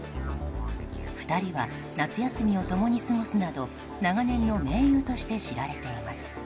２人は夏休みを共に過ごすなど長年の盟友として知られています。